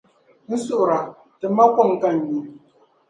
N suhiri a, tim ma kom ka n nyu.